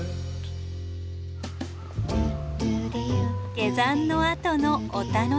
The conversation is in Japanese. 下山のあとのお楽しみ。